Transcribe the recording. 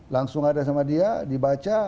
langsung ada sama dia